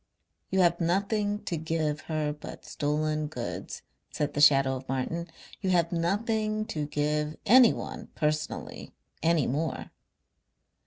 "You have nothing to give her but stolen goods," said the shadow of Martin. "You have nothing to give anyone personally any more....